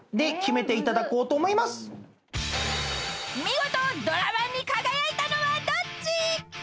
［見事ドラ−１に輝いたのはどっち？］